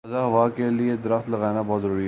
تازہ ہوا کے لیے درخت لگانا بہت ضروری ہے۔